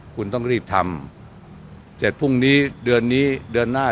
คุณต้องรีบทำเสร็จพรุ่งนี้เดือนนี้เดือนหน้า